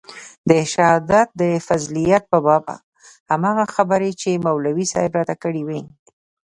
د شهادت د فضيلت په باب هماغه خبرې چې مولوي صاحب راته کړې وې.